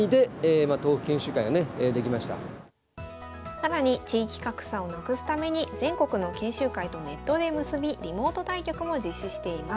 更に地域格差をなくすために全国の研修会とネットで結びリモート対局も実施しています。